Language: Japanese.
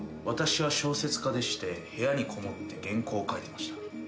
私は小説家でして部屋にこもって原稿を書いてました。